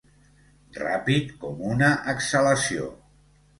Ràpid com una exhalació.